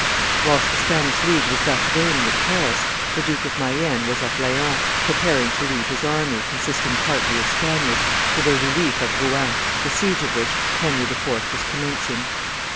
Whilst the Spanish League was thus reigning at Paris, the Duke of Mayenne was at Laon, preparing to lead his army, consisting partly of Spaniards, to the relief of Rouen, the siege of which Henry IV. was commencing.